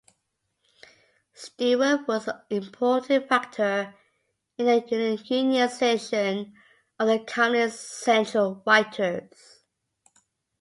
Stewart was an important factor in the unionization of the Comedy Central writers.